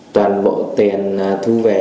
toàn bộ tiền thu về